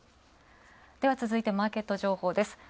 では、続いてマーケット情報です。